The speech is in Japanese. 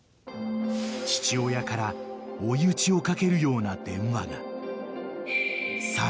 ［父親から追い打ちをかけるような電話が］